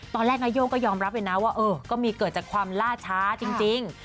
ตอนแรกนายกก็ยอมรับอยู่นะว่าก็มีเกิดจากความล่าช้าจริง